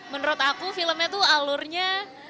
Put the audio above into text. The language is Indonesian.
menurut aku filmnya tuh alurnya